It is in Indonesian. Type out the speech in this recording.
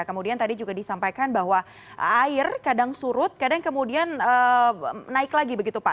kemudian tadi juga disampaikan bahwa air kadang surut kadang kemudian naik lagi begitu pak